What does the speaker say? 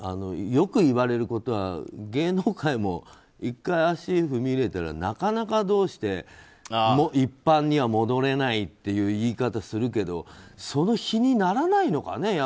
よく言われることは芸能界も１回、足を踏み入れたらなかなか、どうして一般には戻れないっていう言い方するけどその比にならないのかね